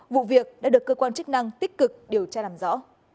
vụ việc đã được cơ quan chức năng tích cực điều tra làm rõ